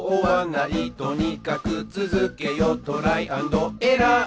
「とにかくつづけよトライ＆エラー」